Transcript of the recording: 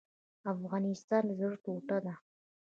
افغانستان د زړه ټوټه ده